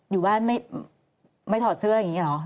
อยู่บ้านไม่ถอดเสื้ออย่างนี้เหรอ